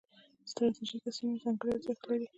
ستراتیژیکه سیمه ځانګړي ارزښت لري.